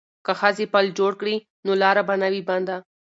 که ښځې پل جوړ کړي نو لاره به نه وي بنده.